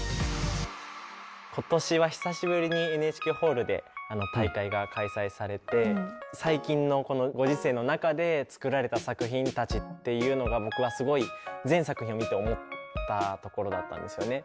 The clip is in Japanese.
今年は久しぶりにＮＨＫホールで大会が開催されて最近のこのご時世の中で作られた作品たちっていうのが僕はすごい全作品を見て思ったところだったんですよね。